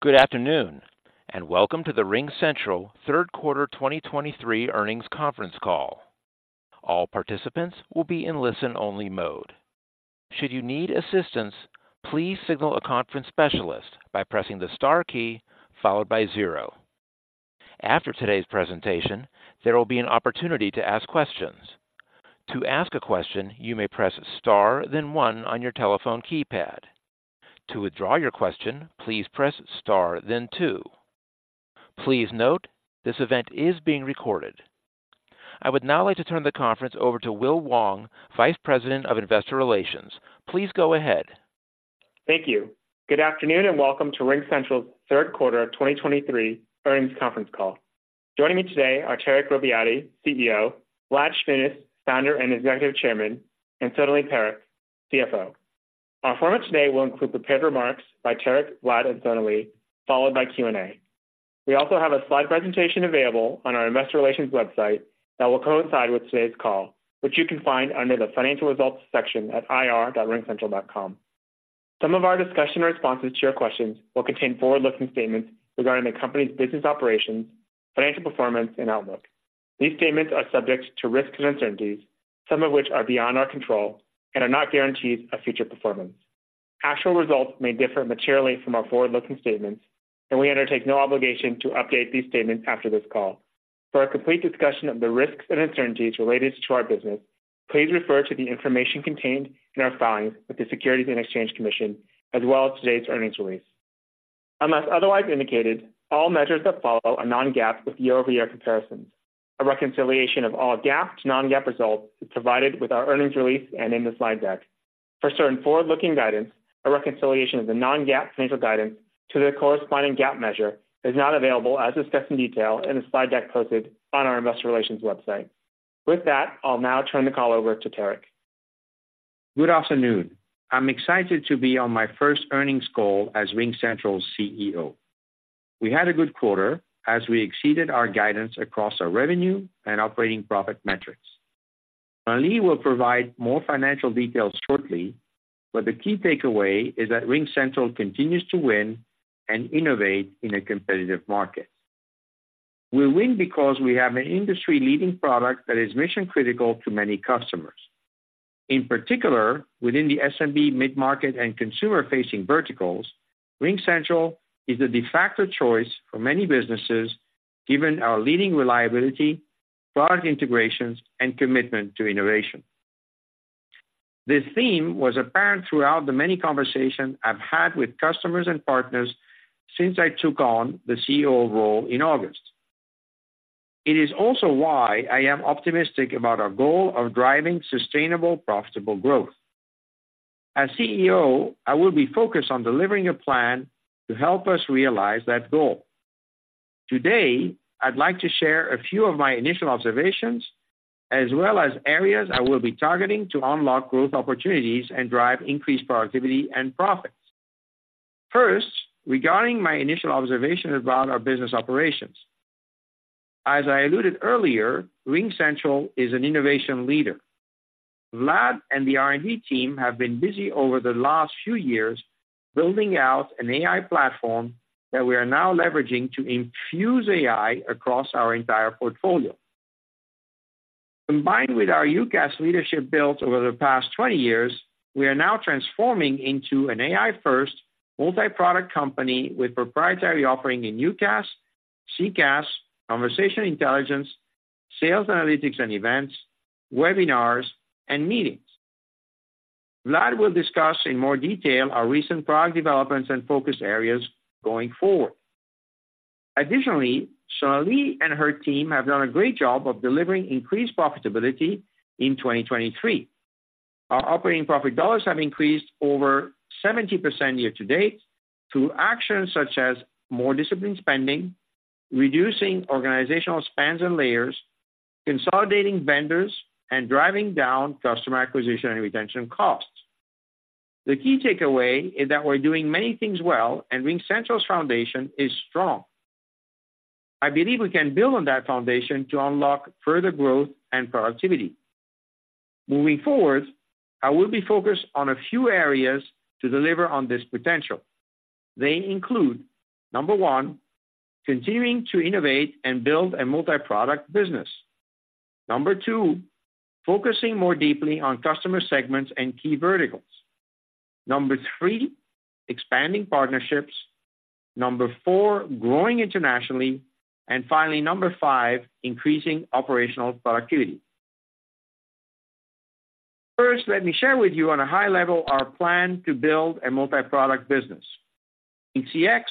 Good afternoon, and welcome to the RingCentral third quarter 2023 earnings conference call. All participants will be in listen-only mode. Should you need assistance, please signal a conference specialist by pressing the star key followed by zero. After today's presentation, there will be an opportunity to ask questions. To ask a question, you may press star, then one on your telephone keypad. To withdraw your question, please press star then two. Please note, this event is being recorded. I would now like to turn the conference over to Will Wong, Vice President of Investor Relations. Please go ahead. Thank you. Good afternoon, and welcome to RingCentral's third quarter of 2023 earnings conference call. Joining me today are Tarek Robbiati, CEO, Vlad Shmunis, Founder and Executive Chairman, and Sonalee Parekh, CFO. Our format today will include prepared remarks by Tarek, Vlad, and Sonali, followed by Q&A. We also have a slide presentation available on our investor relations website that will coincide with today's call, which you can find under the Financial Results section at ir.ringcentral.com. Some of our discussion responses to your questions will contain forward-looking statements regarding the company's business operations, financial performance, and outlook. These statements are subject to risks and uncertainties, some of which are beyond our control and are not guarantees of future performance. Actual results may differ materially from our forward-looking statements, and we undertake no obligation to update these statements after this call. For a complete discussion of the risks and uncertainties related to our business, please refer to the information contained in our filings with the Securities and Exchange Commission, as well as today's earnings release. Unless otherwise indicated, all measures that follow are non-GAAP with year-over-year comparisons. A reconciliation of all GAAP to non-GAAP results is provided with our earnings release and in the slide deck. For certain forward-looking guidance, a reconciliation of the non-GAAP financial guidance to the corresponding GAAP measure is not available, as discussed in detail in the slide deck posted on our investor relations website. With that, I'll now turn the call over to Tarek. Good afternoon. I'm excited to be on my first earnings call as RingCentral's CEO. We had a good quarter as we exceeded our guidance across our revenue and operating profit metrics. Sonali will provide more financial details shortly, but the key takeaway is that RingCentral continues to win and innovate in a competitive market. We win because we have an industry-leading product that is mission-critical to many customers. In particular, within the SMB mid-market and consumer-facing verticals, RingCentral is the de facto choice for many businesses, given our leading reliability, product integrations, and commitment to innovation. This theme was apparent throughout the many conversations I've had with customers and partners since I took on the CEO role in August. It is also why I am optimistic about our goal of driving sustainable, profitable growth. As CEO, I will be focused on delivering a plan to help us realize that goal. Today, I'd like to share a few of my initial observations, as well as areas I will be targeting to unlock growth opportunities and drive increased productivity and profits. First, regarding my initial observation about our business operations. As I alluded earlier, RingCentral is an innovation leader. Vlad and the R&D team have been busy over the last few years, building out an AI platform that we are now leveraging to infuse AI across our entire portfolio. Combined with our UCaaS leadership built over the past 20 years, we are now transforming into an AI-first, multi-product company with proprietary offerings in UCaaS, CCaaS, conversation intelligence, sales analytics and events, webinars, and meetings. Vlad will discuss in more detail our recent product developments and focus areas going forward. Additionally, Sonali and her team have done a great job of delivering increased profitability in 2023. Our operating profit dollars have increased over 70% year to date through actions such as more disciplined spending, reducing organizational spans and layers, consolidating vendors, and driving down customer acquisition and retention costs. The key takeaway is that we're doing many things well, and RingCentral's foundation is strong. I believe we can build on that foundation to unlock further growth and productivity. Moving forward, I will be focused on a few areas to deliver on this potential. They include, number one, continuing to innovate and build a multi-product business. Number two, focusing more deeply on customer segments and key verticals. Number three, expanding partnerships. Number four, growing internationally. And finally, number five, increasing operational productivity. First, let me share with you on a high level our plan to build a multi-product business. RingCX,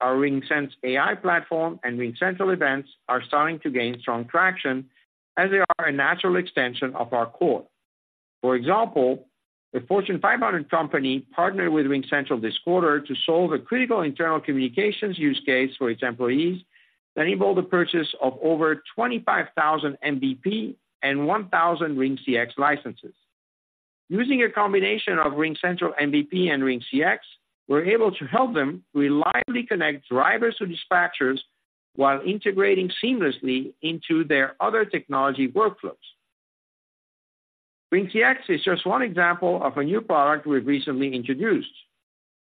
our RingSense AI platform, and RingCentral Events are starting to gain strong traction as they are a natural extension of our core. For example, a Fortune 500 company partnered with RingCentral this quarter to solve a critical internal communications use case for its employees that enabled the purchase of over 25,000 MVP and 1,000 RingCX licenses. Using a combination of RingCentral MVP and RingCX, we're able to help them reliably connect drivers to dispatchers while integrating seamlessly into their other technology workflows.... RingCX is just one example of a new product we've recently introduced.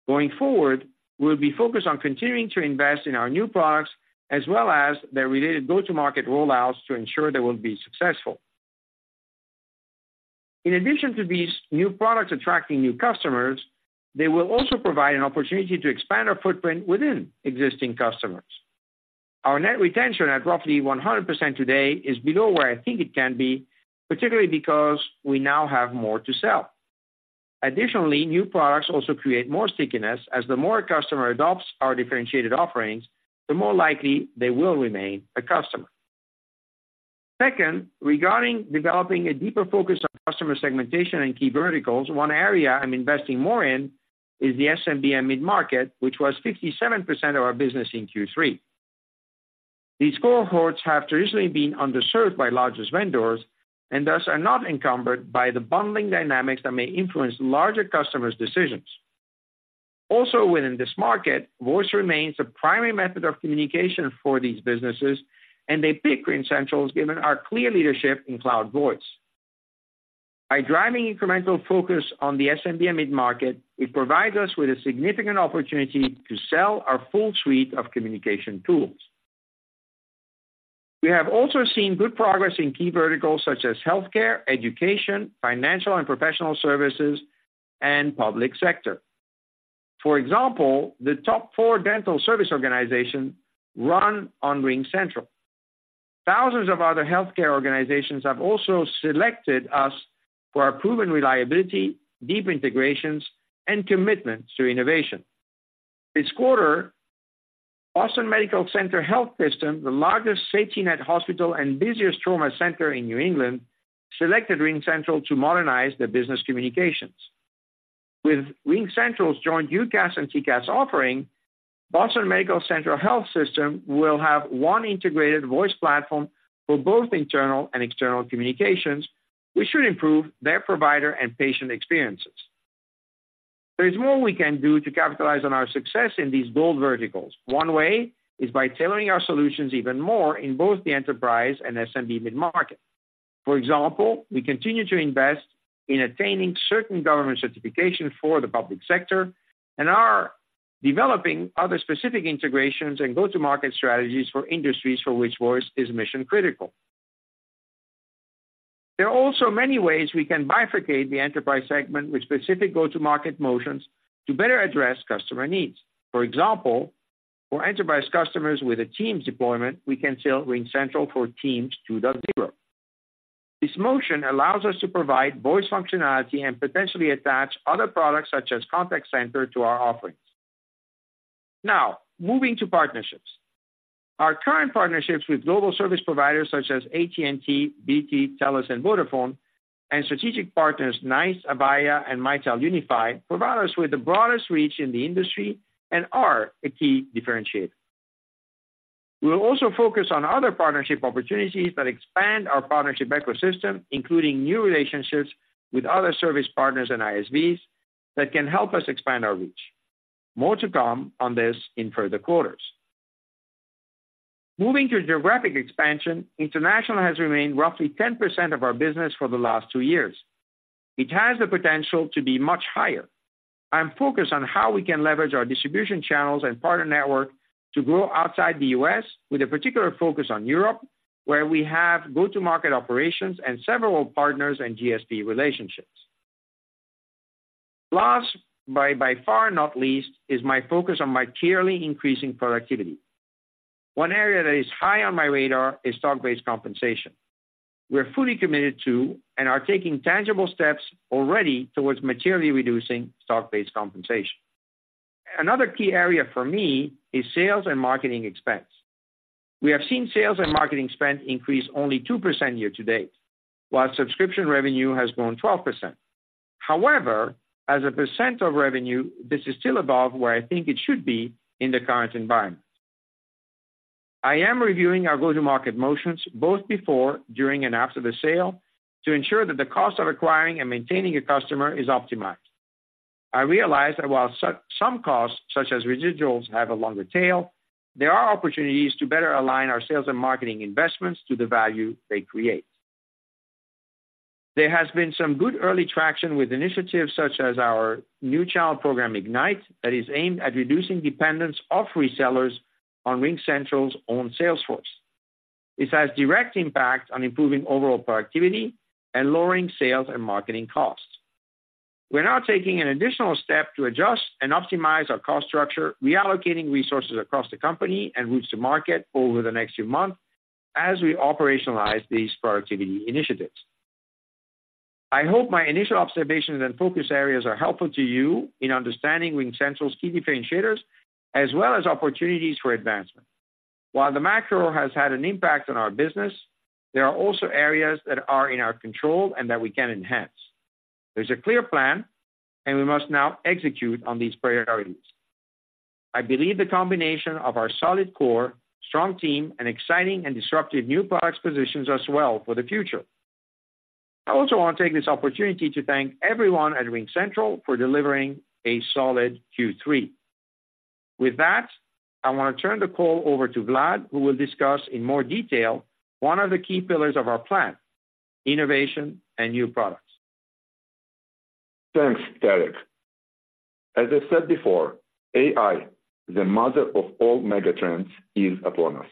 Going forward, we'll be focused on continuing to invest in our new products, as well as their related go-to-market rollouts to ensure they will be successful. In addition to these new products attracting new customers, they will also provide an opportunity to expand our footprint within existing customers. Our net retention at roughly 100% today is below where I think it can be, particularly because we now have more to sell. Additionally, new products also create more stickiness, as the more a customer adopts our differentiated offerings, the more likely they will remain a customer. Second, regarding developing a deeper focus on customer segmentation and key verticals, one area I'm investing more in is the SMB and mid-market, which was 57% of our business in Q3. These cohorts have traditionally been underserved by largest vendors, and thus are not encumbered by the bundling dynamics that may influence larger customers' decisions. Also, within this market, voice remains a primary method of communication for these businesses, and they pick RingCentral, given our clear leadership in cloud voice. By driving incremental focus on the SMB and mid-market, it provides us with a significant opportunity to sell our full suite of communication tools. We have also seen good progress in key verticals such as healthcare, education, financial and professional services, and public sector. For example, the top four dental service organizations run on RingCentral. Thousands of other healthcare organizations have also selected us for our proven reliability, deep integrations, and commitment to innovation. This quarter, Boston Medical Center Health System, the largest safety net hospital and busiest trauma center in New England, selected RingCentral to modernize their business communications. With RingCentral's joint UCaaS and CCaaS offering, Boston Medical Center Health System will have one integrated voice platform for both internal and external communications, which should improve their provider and patient experiences. There is more we can do to capitalize on our success in these bold verticals. One way is by tailoring our solutions even more in both the enterprise and SMB mid-market. For example, we continue to invest in attaining certain government certifications for the public sector, and are developing other specific integrations and go-to-market strategies for industries for which voice is mission-critical. There are also many ways we can bifurcate the enterprise segment with specific go-to-market motions to better address customer needs. For example, for enterprise customers with a Teams deployment, we can sell RingCentral for Teams 2.0. This motion allows us to provide voice functionality and potentially attach other products, such as contact center, to our offerings. Now, moving to partnerships. Our current partnerships with global service providers such as AT&T, BT, Telus, and Vodafone, and strategic partners, NICE, Avaya, and Mitel Unify, provide us with the broadest reach in the industry and are a key differentiator. We will also focus on other partnership opportunities that expand our partnership ecosystem, including new relationships with other service partners and ISVs that can help us expand our reach. More to come on this in further quarters. Moving to geographic expansion, international has remained roughly 10% of our business for the last two years. It has the potential to be much higher. I am focused on how we can leverage our distribution channels and partner network to grow outside the U.S., with a particular focus on Europe, where we have go-to-market operations and several partners and GSP relationships. Last, by far not least, is my focus on materially increasing productivity. One area that is high on my radar is stock-based compensation. We're fully committed to, and are taking tangible steps already towards materially reducing stock-based compensation. Another key area for me is sales and marketing expense. We have seen sales and marketing spend increase only 2% year-to-date, while subscription revenue has grown 12%. However, as a % of revenue, this is still above where I think it should be in the current environment. I am reviewing our go-to-market motions both before, during, and after the sale to ensure that the cost of acquiring and maintaining a customer is optimized. I realize that while some costs, such as residuals, have a longer tail, there are opportunities to better align our sales and marketing investments to the value they create. There has been some good early traction with initiatives such as our new channel program, Ignite, that is aimed at reducing dependence of resellers on RingCentral's own sales force. This has direct impact on improving overall productivity and lowering sales and marketing costs. We're now taking an additional step to adjust and optimize our cost structure, reallocating resources across the company and routes to market over the next few months as we operationalize these productivity initiatives. I hope my initial observations and focus areas are helpful to you in understanding RingCentral's key differentiators, as well as opportunities for advancement. While the macro has had an impact on our business, there are also areas that are in our control and that we can enhance. There's a clear plan, and we must now execute on these priorities. I believe the combination of our solid core, strong team, and exciting and disruptive new products positions us well for the future. I also want to take this opportunity to thank everyone at RingCentral for delivering a solid Q3.... With that, I want to turn the call over to Vlad, who will discuss in more detail one of the key pillars of our plan, innovation and new products. Thanks, Tarek. As I said before, AI, the mother of all megatrends, is upon us.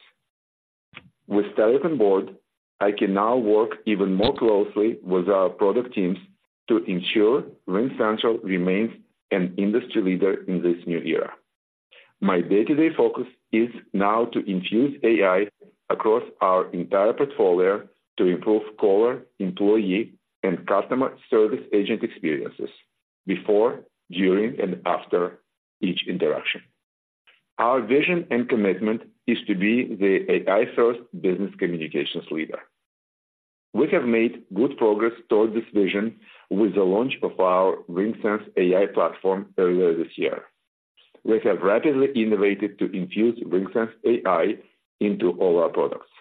With Tarek on board, I can now work even more closely with our product teams to ensure RingCentral remains an industry leader in this new era. My day-to-day focus is now to infuse AI across our entire portfolio to improve caller, employee, and customer service agent experiences before, during, and after each interaction. Our vision and commitment is to be the AI-first business communications leader. We have made good progress towards this vision with the launch of our RingSense AI platform earlier this year. We have rapidly innovated to infuse RingSense AI into all our products.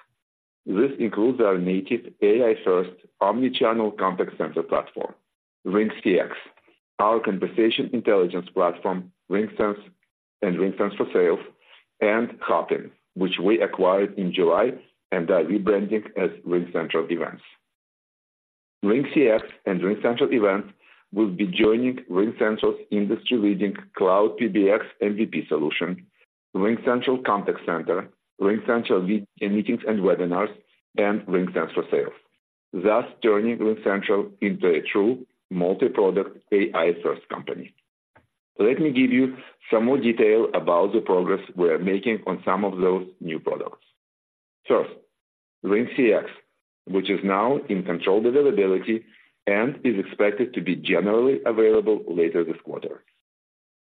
This includes our native AI-first omnichannel contact center platform, RingCX, our conversation intelligence platform, RingSense and RingSense for Sales, and Hopin, which we acquired in July and are rebranding as RingCentral Events. RingCX and RingCentral Events will be joining RingCentral's industry-leading cloud PBX MVP solution, RingCentral Contact Center, RingCentral Video Meetings and Webinars, and RingCentral Sales, thus turning RingCentral into a true multi-product AI-first company. Let me give you some more detail about the progress we are making on some of those new products. First, RingCX, which is now in controlled availability and is expected to be generally available later this quarter.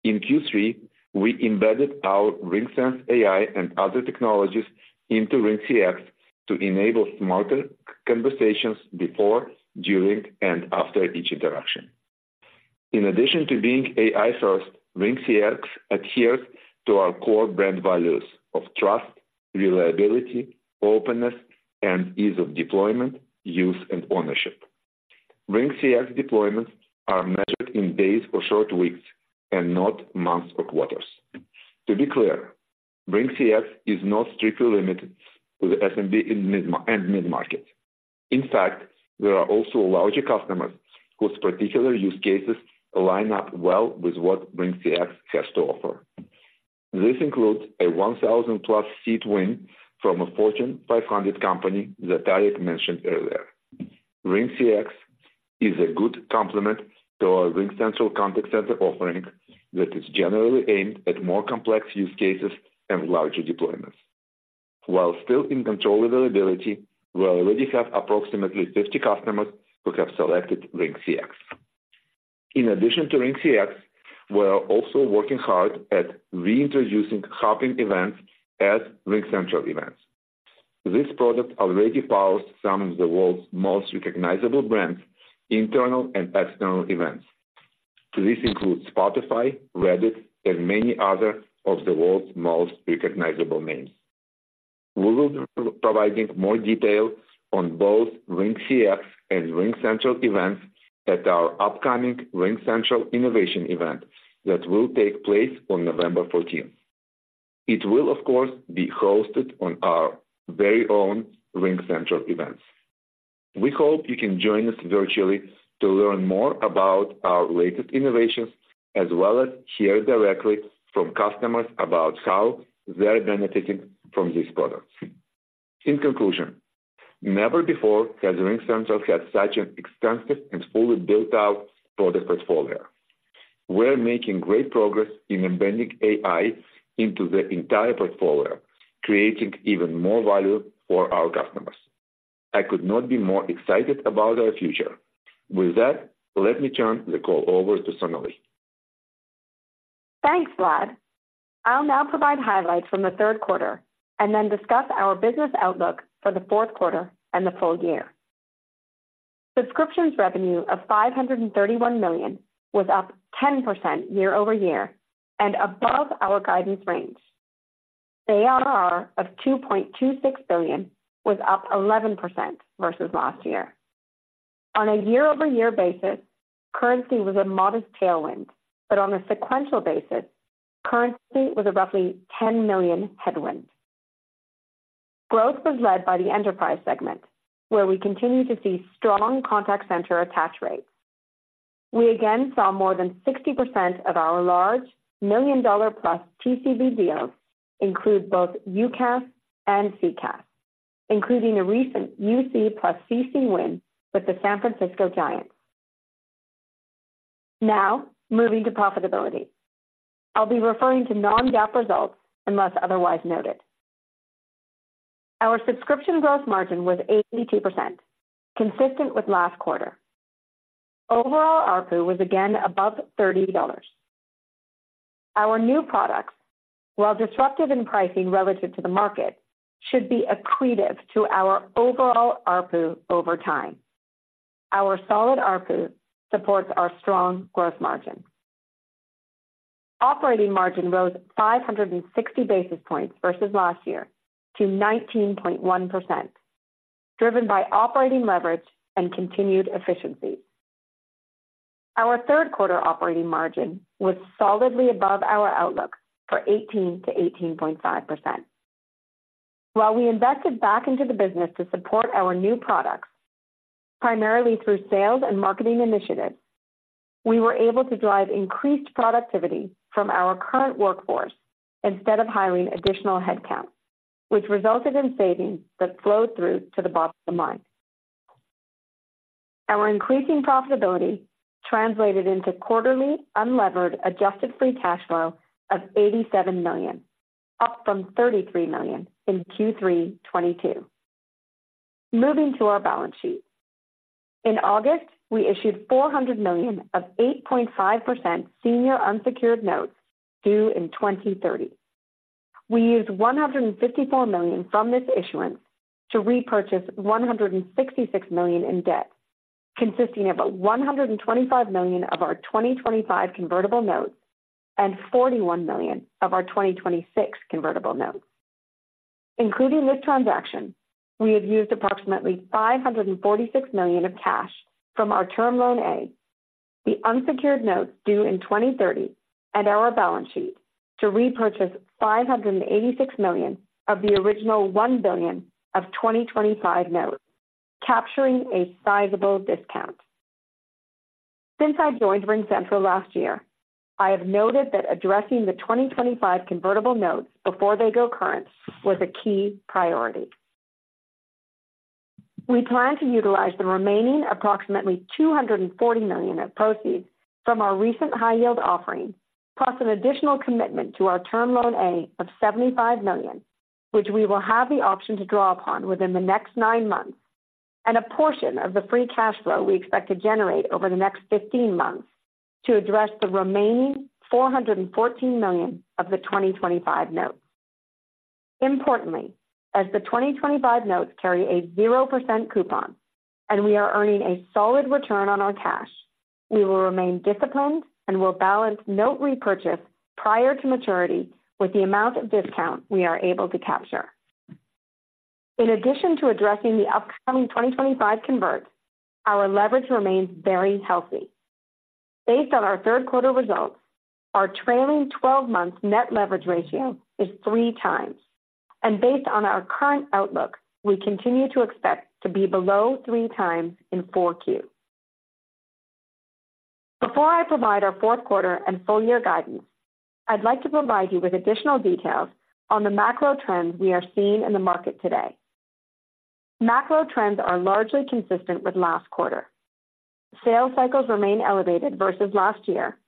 In Q3, we embedded our RingSense AI and other technologies into RingCX to enable smarter conversations before, during, and after each interaction. In addition to being AI-first, RingCX adheres to our core brand values of trust, reliability, openness, and ease of deployment, use, and ownership. RingCX deployments are measured in days or short weeks, and not months or quarters. To be clear, RingCX is not strictly limited to the SMB and mid-market. In fact, there are also larger customers whose particular use cases line up well with what RingCX has to offer. This includes a 1,000+ seat win from a Fortune 500 company that Tarek mentioned earlier. RingCX is a good complement to our RingCentral Contact Center offering that is generally aimed at more complex use cases and larger deployments. While still in controlled availability, we already have approximately 50 customers who have selected RingCX. In addition to RingCX, we are also working hard at reintroducing Hopin events as RingCentral Events. This product already powers some of the world's most recognizable brands, internal and external events. This includes Spotify, Reddit, and many other of the world's most recognizable names. We will be providing more detail on both RingCX and RingCentral Events at our upcoming RingCentral innovation event that will take place on November fourteenth. It will, of course, be hosted on our very own RingCentral Events. We hope you can join us virtually to learn more about our latest innovations, as well as hear directly from customers about how they're benefiting from these products. In conclusion, never before has RingCentral had such an extensive and fully built-out product portfolio. We're making great progress in embedding AI into the entire portfolio, creating even more value for our customers. I could not be more excited about our future. With that, let me turn the call over to Sonali. Thanks, Vlad. I'll now provide highlights from the third quarter and then discuss our business outlook for the fourth quarter and the full-year. Subscriptions revenue of $531 million was up 10% year-over-year and above our guidance range. ARR of $2.26 billion was up 11% versus last year. On a year-over-year basis, currency was a modest tailwind, but on a sequential basis, currency was a roughly $10 million headwind. Growth was led by the enterprise segment, where we continued to see strong contact center attach rates. We again saw more than 60% of our large million-dollar-plus TCV deals include both UCaaS and CCaaS, including a recent UC plus CC win with the San Francisco Giants. Now, moving to profitability. I'll be referring to non-GAAP results unless otherwise noted. Our subscription growth margin was 82%, consistent with last quarter. Overall, ARPU was again above $30. Our new products, while disruptive in pricing relative to the market, should be accretive to our overall ARPU over time. Our solid ARPU supports our strong growth margin. Operating margin rose 560 basis points versus last year to 19.1%, driven by operating leverage and continued efficiency. Our third quarter operating margin was solidly above our outlook for 18%-18.5%. While we invested back into the business to support our new products, primarily through sales and marketing initiatives, we were able to drive increased productivity from our current workforce instead of hiring additional headcount, which resulted in savings that flowed through to the bottom line. Our increasing profitability translated into quarterly unlevered adjusted free cash flow of $87 million, up from $33 million in Q3 2022. Moving to our balance sheet. In August, we issued $400 million of 8.5% senior unsecured notes due in 2030. We used $154 million from this issuance to repurchase $166 million in debt, consisting of $125 million of our 2025 convertible notes and $41 million of our 2026 convertible notes. Including this transaction, we have used approximately $546 million of cash from our Term Loan A, the unsecured notes due in 2030, and our balance sheet to repurchase $586 million of the original $1 billion of 2025 notes, capturing a sizable discount. Since I joined RingCentral last year, I have noted that addressing the 2025 convertible notes before they go current was a key priority. We plan to utilize the remaining approximately $240 million of proceeds from our recent high-yield offering, plus an additional commitment to our Term Loan A of $75 million, which we will have the option to draw upon within the next nine months, and a portion of the free cash flow we expect to generate over the next 15 months to address the remaining $414 million of the 2025 notes. Importantly, as the 2025 notes carry a 0% coupon and we are earning a solid return on our cash, we will remain disciplined and will balance note repurchase prior to maturity with the amount of discount we are able to capture. In addition to addressing the upcoming 2025 converts, our leverage remains very healthy. Based on our third quarter results, our trailing 12-month leverage ratio is three times, and based on our current outlook, we continue to expect to be below three times in Q4. Before I provide our fourth quarter and full-year guidance, I'd like to provide you with additional details on the macro trends we are seeing in the market today. Macro trends are largely consistent with last quarter. Sales cycles remain elevated versus last year,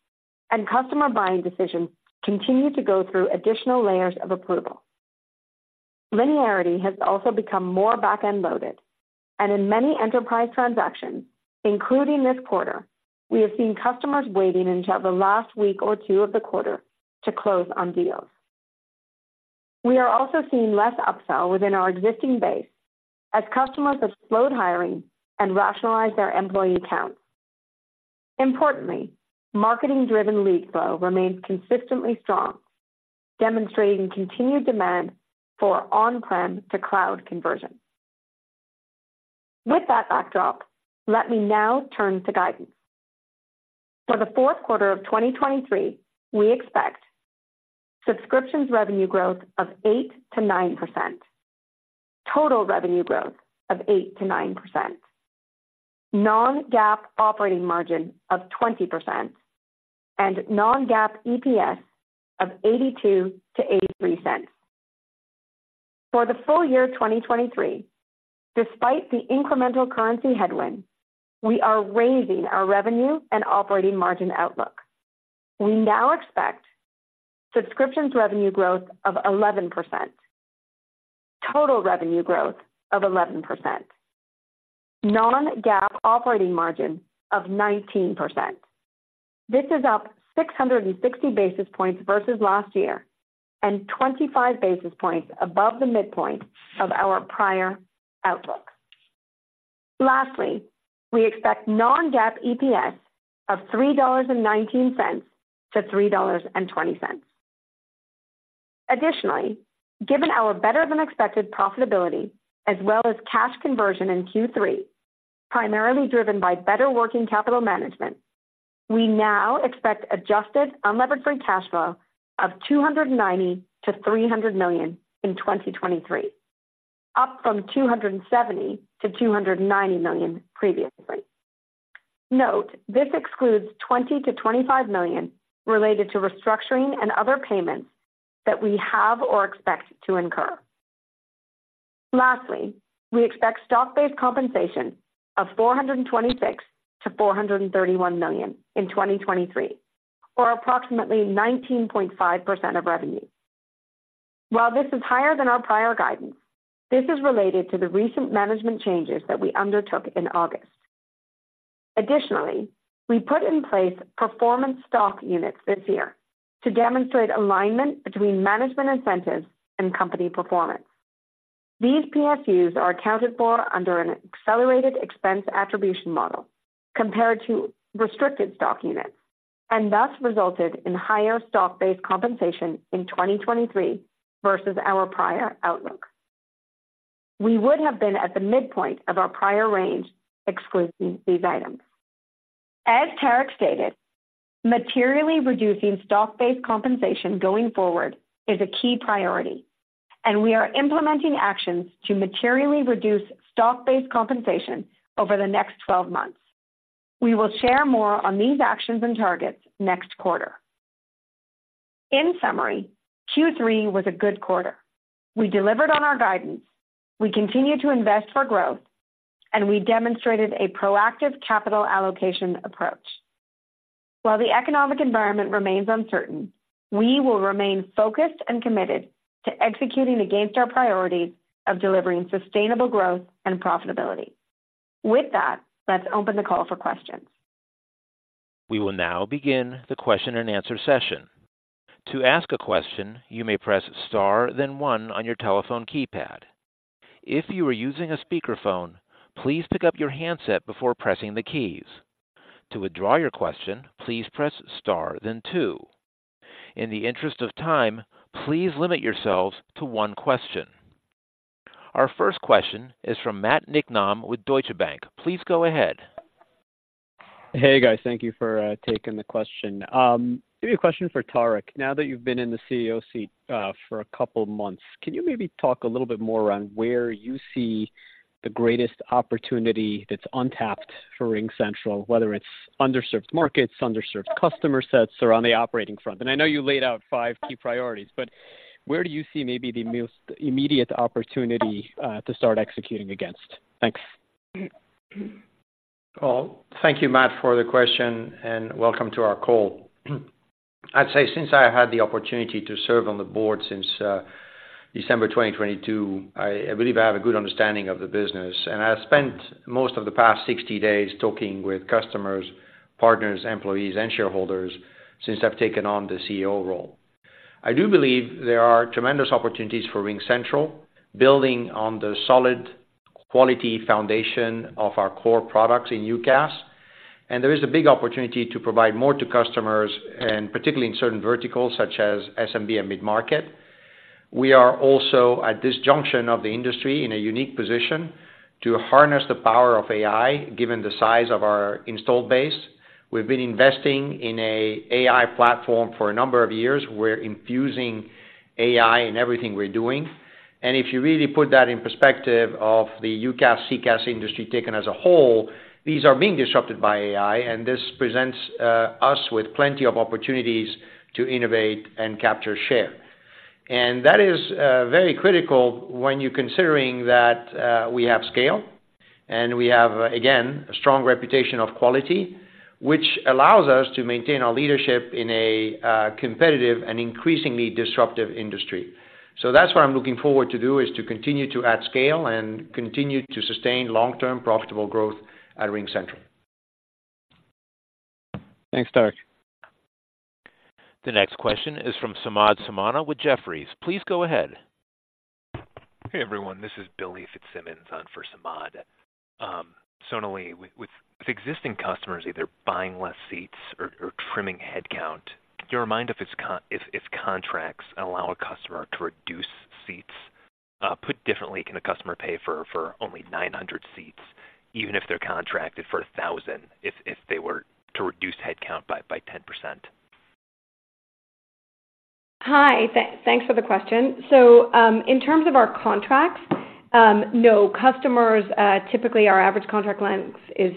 and customer buying decisions continue to go through additional layers of approval. Linearity has also become more back-end loaded, and in many enterprise transactions, including this quarter, we have seen customers waiting until the last week or two of the quarter to close on deals. We are also seeing less upsell within our existing base as customers have slowed hiring and rationalized their employee counts. Importantly, marketing-driven lead flow remains consistently strong, demonstrating continued demand for on-prem to cloud conversion. With that backdrop, let me now turn to guidance. For the fourth quarter of 2023, we expect subscriptions revenue growth of 8%-9%, total revenue growth of 8%-9%, non-GAAP operating margin of 20%, and non-GAAP EPS of $0.82-0.83. For the full-year 2023, despite the incremental currency headwind, we are raising our revenue and operating margin outlook. We now expect subscriptions revenue growth of 11%, total revenue growth of 11%, non-GAAP operating margin of 19%. This is up 660 basis points versus last year and 25 basis points above the midpoint of our prior outlook. Lastly, we expect non-GAAP EPS of $3.19-3.20. Additionally, given our better-than-expected profitability as well as cash conversion in Q3, primarily driven by better working capital management, we now expect adjusted unlevered free cash flow of $290-300 million in 2023, up from $270-290 million previously. Note, this excludes $20-25 million related to restructuring and other payments that we have or expect to incur. Lastly, we expect stock-based compensation of $426-431 million in 2023, or approximately 19.5% of revenue. While this is higher than our prior guidance, this is related to the recent management changes that we undertook in August. Additionally, we put in place performance stock units this year to demonstrate alignment between management incentives and company performance. These PSUs are accounted for under an accelerated expense attribution model compared to restricted stock units, and thus resulted in higher stock-based compensation in 2023 versus our prior outlook.... we would have been at the midpoint of our prior range, excluding these items. As Tarek stated, materially reducing stock-based compensation going forward is a key priority, and we are implementing actions to materially reduce stock-based compensation over the next twelve months. We will share more on these actions and targets next quarter. In summary, Q3 was a good quarter. We delivered on our guidance, we continued to invest for growth, and we demonstrated a proactive capital allocation approach. While the economic environment remains uncertain, we will remain focused and committed to executing against our priorities of delivering sustainable growth and profitability. With that, let's open the call for questions. We will now begin the question and answer session. To ask a question, you may press Star, then one on your telephone keypad. If you are using a speakerphone, please pick up your handset before pressing the keys. To withdraw your question, please press Star, then two. In the interest of time, please limit yourselves to one question. Our first question is from Matt Nicknam with Deutsche Bank. Please go ahead. Hey, guys. Thank you for taking the question. Maybe a question for Tarek. Now that you've been in the CEO seat for a couple months, can you maybe talk a little bit more on where you see the greatest opportunity that's untapped for RingCentral, whether it's underserved markets, underserved customer sets or on the operating front? And I know you laid out five key priorities, but where do you see maybe the most immediate opportunity to start executing against? Thanks. Well, thank you, Matt, for the question, and welcome to our call. I'd say since I had the opportunity to serve on the board since December 2022, I believe I have a good understanding of the business, and I spent most of the past 60 days talking with customers, partners, employees, and shareholders since I've taken on the CEO role. I do believe there are tremendous opportunities for RingCentral, building on the solid, quality foundation of our core products in UCaaS, and there is a big opportunity to provide more to customers, and particularly in certain verticals such as SMB and mid-market. We are also, at this junction of the industry, in a unique position to harness the power of AI, given the size of our installed base. We've been investing in an AI platform for a number of years. We're infusing AI in everything we're doing. If you really put that in perspective of the UCaaS, CCaaS industry taken as a whole, these are being disrupted by AI, and this presents us with plenty of opportunities to innovate and capture share. That is very critical when you're considering that we have scale, and we have, again, a strong reputation of quality, which allows us to maintain our leadership in a competitive and increasingly disruptive industry. So that's what I'm looking forward to do, is to continue to add scale and continue to sustain long-term profitable growth at RingCentral. Thanks, Tarek. The next question is from Samad Samana with Jefferies. Please go ahead. Hey, everyone, this is Billy Fitzsimmons on for Samad. Sonali, with existing customers either buying less seats or trimming headcount, do you know if contracts allow a customer to reduce seats? Put differently, can a customer pay for only 900 seats, even if they're contracted for 1,000, if they were to reduce headcount by 10%? Hi, thanks for the question. In terms of our contracts, no, customers, typically our average contract length is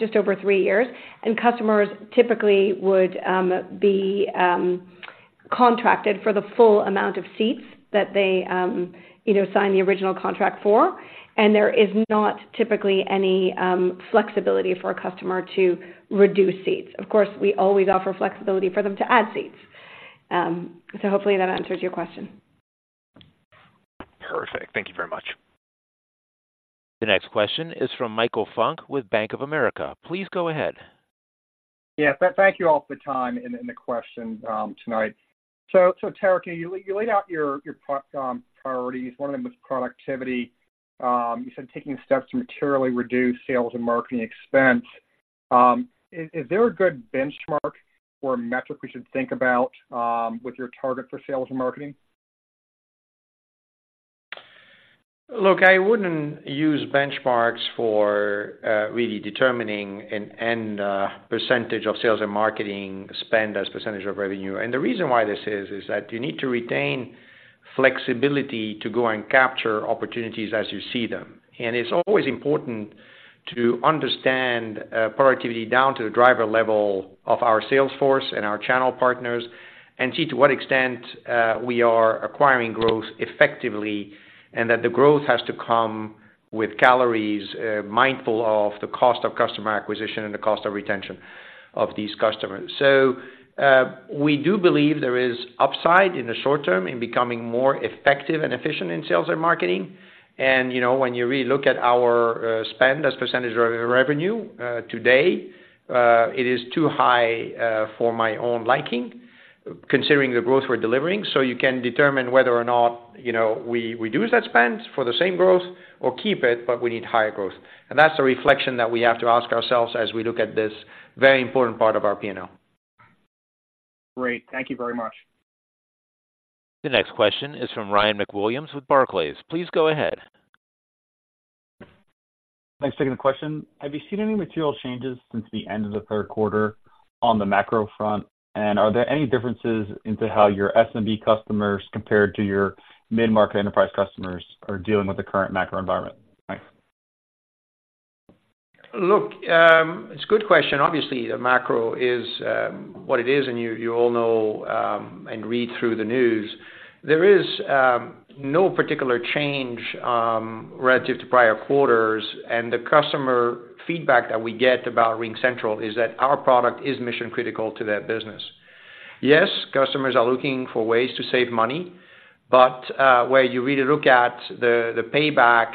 just over three years, and customers typically would be contracted for the full amount of seats that they you know sign the original contract for, and there is not typically any flexibility for a customer to reduce seats. Of course, we always offer flexibility for them to add seats. Hopefully that answers your question. Perfect. Thank you very much. The next question is from Michael Funk with Bank of America. Please go ahead. Yeah, thank you all for the time and the question tonight. So, Tarek, you laid out your priorities. One of them was productivity. You said taking steps to materially reduce sales and marketing expense. Is there a good benchmark or metric we should think about with your target for sales and marketing? Look, I wouldn't use benchmarks for really determining an end percentage of sales and marketing spend as percentage of revenue. The reason why this is, is that you need to retain flexibility to go and capture opportunities as you see them. It's always important to understand productivity down to the driver level of our sales force and our channel partners and see to what extent we are acquiring growth effectively, and that the growth has to come with calories, mindful of the cost of customer acquisition and the cost of retention of these customers. We do believe there is upside in the short term in becoming more effective and efficient in sales and marketing, and, you know, when you relook at our spend as percentage of revenue today, it is too high for my own liking, considering the growth we're delivering. You can determine whether or not, you know, we reduce that spend for the same growth or keep it, but we need higher growth. That's a reflection that we have to ask ourselves as we look at this very important part of our P&L.... Great. Thank you very much. The next question is from Ryan McWilliams with Barclays. Please go ahead. Thanks for taking the question. Have you seen any material changes since the end of the third quarter on the macro front? And are there any differences into how your SMB customers, compared to your mid-market enterprise customers, are dealing with the current macro environment? Thanks. Look, it's a good question. Obviously, the macro is what it is, and you all know and read through the news. There is no particular change relative to prior quarters, and the customer feedback that we get about RingCentral is that our product is mission-critical to their business. Yes, customers are looking for ways to save money, but where you really look at the payback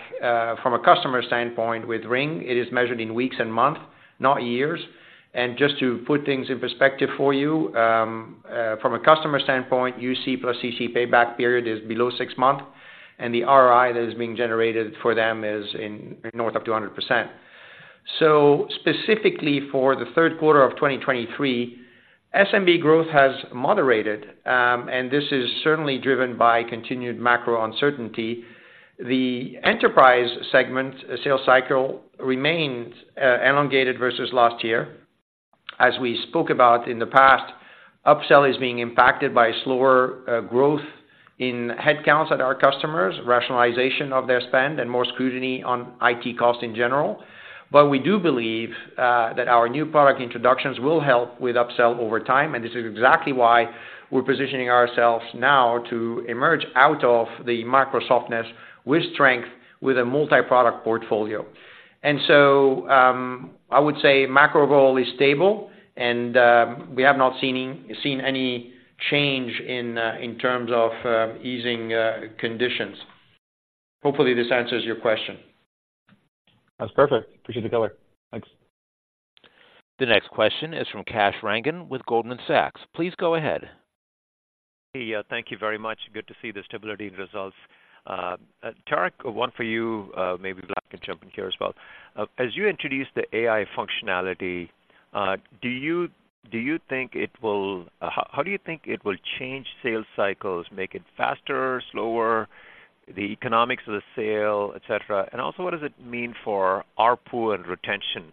from a customer standpoint with Ring, it is measured in weeks and months, not years. Just to put things in perspective for you, from a customer standpoint, UC plus CC payback period is below six months, and the ROI that is being generated for them is in north up to 100%. So specifically for the third quarter of 2023, SMB growth has moderated, and this is certainly driven by continued macro uncertainty. The enterprise segment sales cycle remains elongated versus last year. As we spoke about in the past, upsell is being impacted by slower growth in headcounts at our customers, rationalization of their spend, and more scrutiny on IT costs in general. But we do believe that our new product introductions will help with upsell over time, and this is exactly why we're positioning ourselves now to emerge out of the macro softness with strength, with a multi-product portfolio. And so I would say macro goal is stable, and we have not seen any change in in terms of easing conditions. Hopefully, this answers your question. That's perfect. Appreciate the color. Thanks. The next question is from Kash Rangan with Goldman Sachs. Please go ahead. Hey, thank you very much. Good to see the stability and results. Tarek, one for you, maybe Vlad can jump in here as well. As you introduce the AI functionality, do you, do you think it will... How do you think it will change sales cycles, make it faster, slower, the economics of the sale, et cetera? And also, what does it mean for ARPU and retention,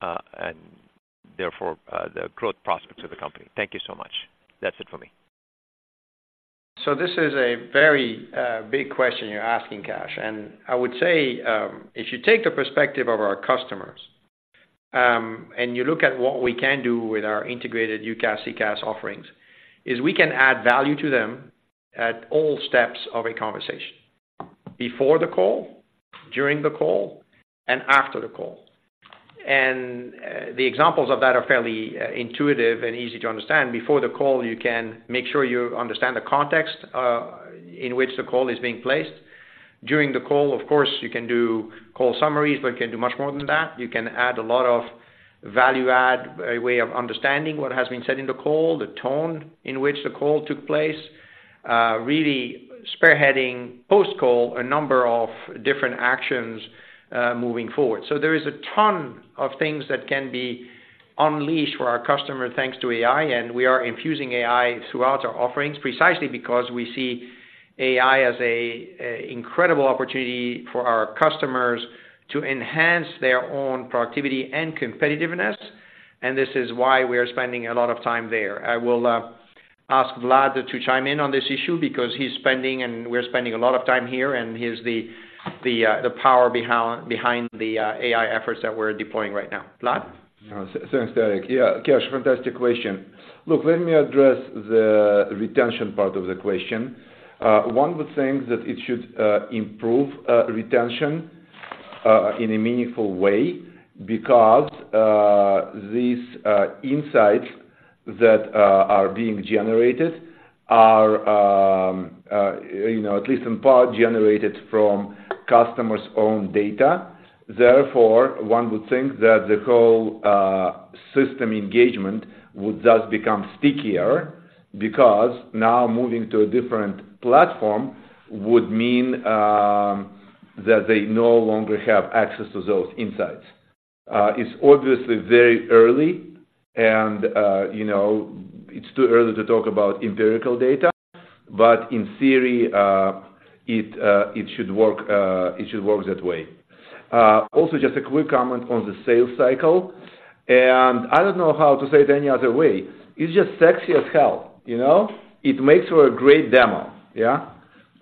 and therefore, the growth prospects of the company? Thank you so much. That's it for me. So this is a very big question you're asking, Kash. I would say, if you take the perspective of our customers, and you look at what we can do with our integrated UCaaS, CCaaS offerings, we can add value to them at all steps of a conversation, before the call, during the call, and after the call. The examples of that are fairly intuitive and easy to understand. Before the call, you can make sure you understand the context in which the call is being placed. During the call, of course, you can do call summaries, but you can do much more than that. You can add a lot of value add, a way of understanding what has been said in the call, the tone in which the call took place, really spearheading, post-call, a number of different actions, moving forward. So there is a ton of things that can be unleashed for our customer, thanks to AI, and we are infusing AI throughout our offerings, precisely because we see AI as a incredible opportunity for our customers to enhance their own productivity and competitiveness. And this is why we are spending a lot of time there. I will ask Vlad to chime in on this issue because he's spending and we're spending a lot of time here, and he's the power behind the AI efforts that we're deploying right now. Vlad? Thanks, Tarek. Yeah, Kash, fantastic question. Look, let me address the retention part of the question. One would think that it should improve retention in a meaningful way because these insights that are being generated are, you know, at least in part, generated from customers' own data. Therefore, one would think that the whole system engagement would just become stickier, because now moving to a different platform would mean that they no longer have access to those insights. It's obviously very early and, you know, it's too early to talk about empirical data, but in theory, it should work, it should work that way. Also, just a quick comment on the sales cycle, and I don't know how to say it any other way. It's just sexy as hell, you know? It makes for a great demo, yeah.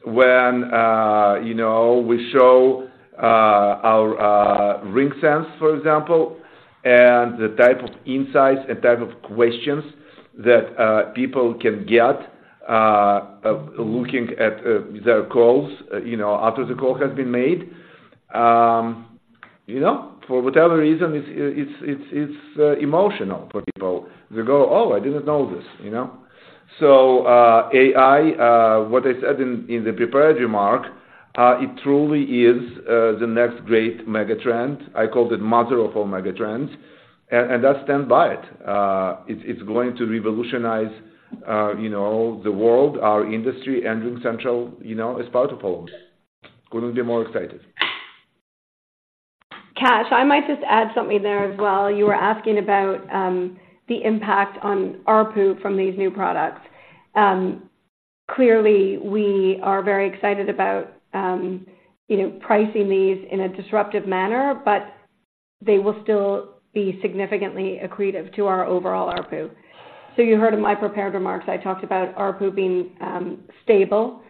When you know, we show our RingSense, for example, and the type of insights and type of questions that people can get looking at their calls, you know, after the call has been made. You know, for whatever reason, it's, it's, it's, it's emotional for people. They go, "Oh, I didn't know this," you know? So AI, what I said in the prepared remark, it truly is the next great mega trend. I call it mother of all mega trends, and I stand by it. It's going to revolutionize you know, the world, our industry, and RingCentral, you know, is part of all of this. Couldn't be more excited.... Kash, I might just add something there as well. You were asking about the impact on ARPU from these new products. Clearly, we are very excited about, you know, pricing these in a disruptive manner, but they will still be significantly accretive to our overall ARPU. So you heard in my prepared remarks, I talked about ARPU being stable.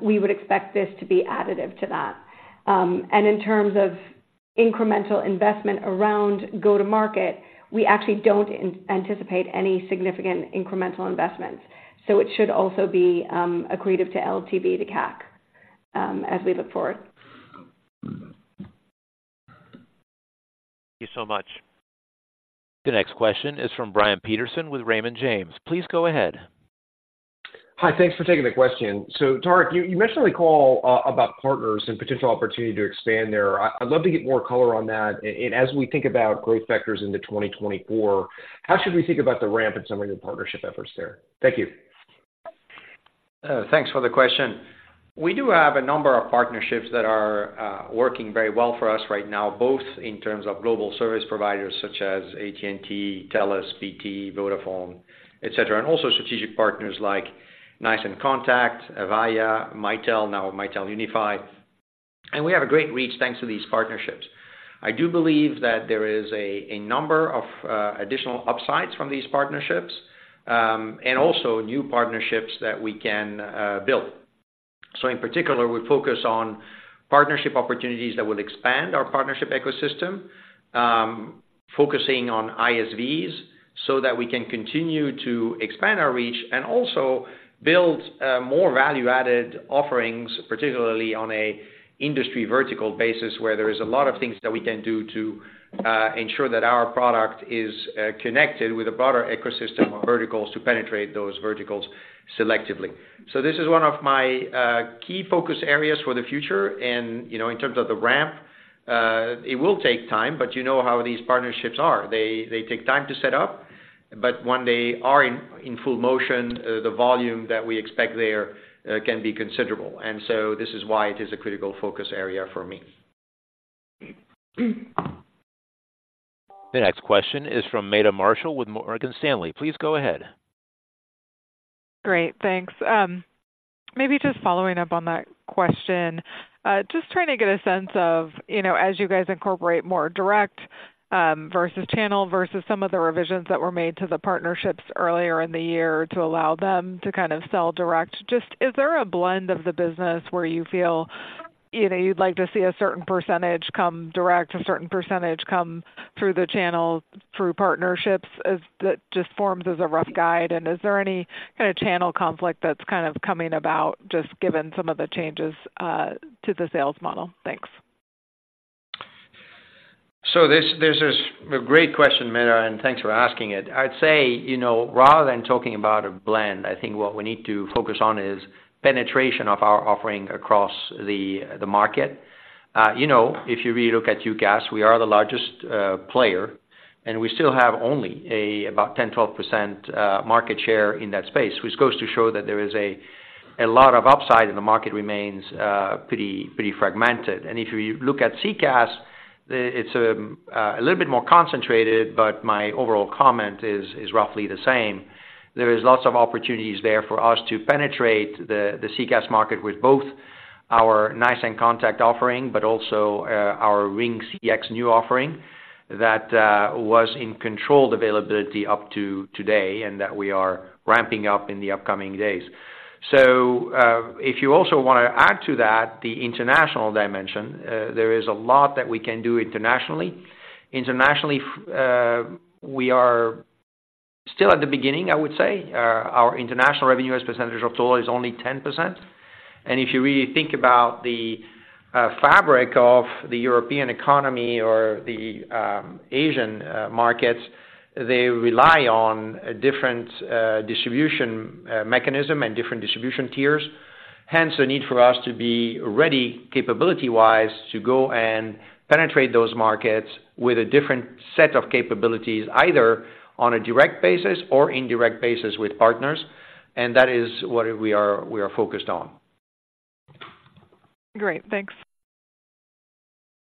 We would expect this to be additive to that. And in terms of incremental investment around go-to-market, we actually don't anticipate any significant incremental investments, so it should also be accretive to LTV to CAC as we look forward. Thank you so much. The next question is from Brian Peterson with Raymond James. Please go ahead. Hi, thanks for taking the question. So Tarek, you mentioned on the call about partners and potential opportunity to expand there. I'd love to get more color on that. And as we think about growth vectors into 2024, how should we think about the ramp in some of your partnership efforts there? Thank you. Thanks for the question. We do have a number of partnerships that are working very well for us right now, both in terms of global service providers such as AT&T, Telus, BT, Vodafone, et cetera, and also strategic partners like NICE inContact, Avaya, Mitel, now Mitel Unify. We have a great reach, thanks to these partnerships. I do believe that there is a number of additional upsides from these partnerships, and also new partnerships that we can build. So in particular, we focus on partnership opportunities that will expand our partnership ecosystem, focusing on ISVs, so that we can continue to expand our reach and also build more value-added offerings, particularly on an industry vertical basis, where there is a lot of things that we can do to ensure that our product is connected with a broader ecosystem of verticals to penetrate those verticals selectively. So this is one of my key focus areas for the future. And, you know, in terms of the ramp, it will take time, but you know how these partnerships are. They take time to set up, but when they are in full motion, the volume that we expect there can be considerable. And so this is why it is a critical focus area for me. The next question is from Meta Marshall with Morgan Stanley. Please go ahead. Great, thanks. Maybe just following up on that question, just trying to get a sense of, you know, as you guys incorporate more direct, versus channel, versus some of the revisions that were made to the partnerships earlier in the year to allow them to kind of sell direct. Just, is there a blend of the business where you feel, you know, you'd like to see a certain percentage come direct, a certain percentage come through the channel, through partnerships, as that just forms as a rough guide? And is there any kind of channel conflict that's kind of coming about, just given some of the changes to the sales model? Thanks. So this, this is a great question, Meta, and thanks for asking it. I'd say, you know, rather than talking about a blend, I think what we need to focus on is penetration of our offering across the, the market. You know, if you relook at UCaaS, we are the largest player, and we still have only about 10%-12% market share in that space, which goes to show that there is a lot of upside, and the market remains pretty fragmented. And if you look at CCaaS, it's a little bit more concentrated, but my overall comment is roughly the same. There is lots of opportunities there for us to penetrate the, the CCaaS market with both our NICE inContact offering, but also, our RingCX new offering, that was in controlled availability up to today, and that we are ramping up in the upcoming days. So, if you also wanna add to that, the international dimension, there is a lot that we can do internationally. Internationally, we are still at the beginning, I would say. Our international revenue as a percentage of total is only 10%. And if you really think about the, fabric of the European economy or the, Asian, markets, they rely on a different, distribution, mechanism and different distribution tiers. Hence, the need for us to be ready, capability-wise, to go and penetrate those markets with a different set of capabilities, either on a direct basis or indirect basis with partners, and that is what we are, we are focused on. Great, thanks.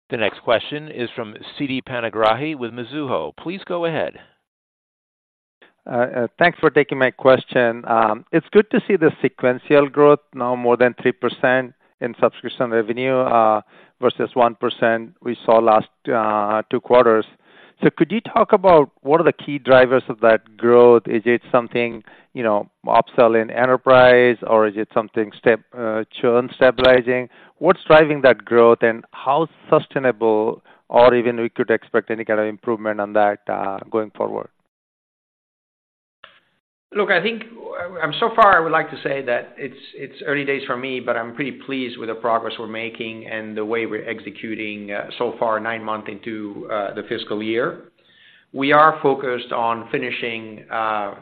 The next question is from Siti Panigrahi with Mizuho. Please go ahead. Thanks for taking my question. It's good to see the sequential growth now more than 3% in subscription revenue, versus 1% we saw last two quarters. So could you talk about what are the key drivers of that growth? Is it something, you know, upselling enterprise or is it something churn stabilizing? What's driving that growth, and how sustainable or even we could expect any kind of improvement on that, going forward? Look, I think, so far I would like to say that it's early days for me, but I'm pretty pleased with the progress we're making and the way we're executing so far, nine months into the fiscal year. We are focused on finishing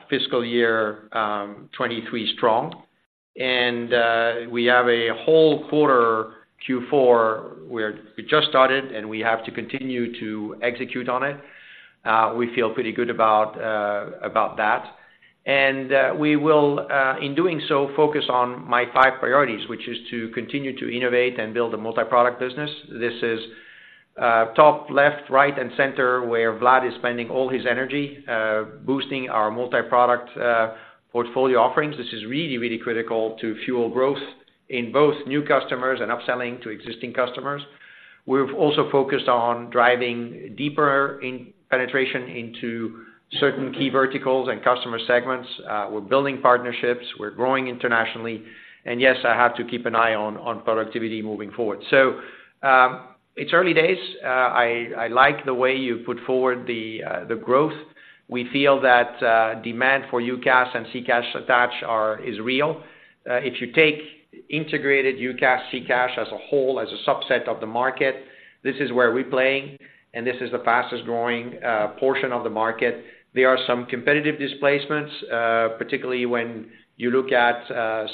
fiscal year 2023 strong. We have a whole quarter, Q4, where we just started, and we have to continue to execute on it. We feel pretty good about that. We will, in doing so, focus on my five priorities, which is to continue to innovate and build a multi-product business. This is top, left, right, and center, where Vlad is spending all his energy boosting our multiproduct portfolio offerings. This is really, really critical to fuel growth in both new customers and upselling to existing customers. We've also focused on driving deeper in penetration into certain key verticals and customer segments. We're building partnerships, we're growing internationally, and yes, I have to keep an eye on productivity moving forward. So, it's early days. I like the way you put forward the growth. We feel that demand for UCaaS and CCaaS attach are—is real. If you take integrated UCaaS, CCaaS as a whole, as a subset of the market, this is where we're playing, and this is the fastest growing portion of the market. There are some competitive displacements, particularly when you look at